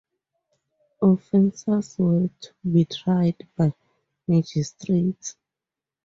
Offences were to be tried by magistrates.